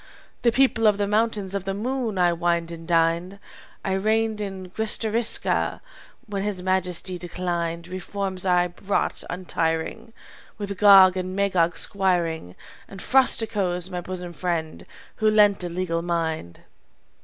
"The people of the Mountains of the Moon I wined and dined. I reigned at Gristariska when His Majesty declined. Reforms I wrought untiring, With Gog and Magog squiring, And Frosticos, my bosom friend, who lent a legal mind.